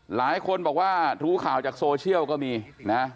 หลายคนบอกว่ารู้ข่าวจากโซเชียลก็มีนะ